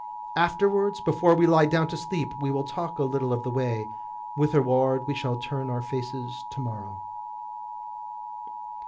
Afterwards before we lie down to sleep we will talk a little of the way, whitherward we shall turn our faces to morrow."